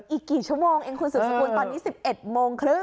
อีกกี่ชั่วโมงเองคุณสุดสกุลตอนนี้๑๑โมงครึ่ง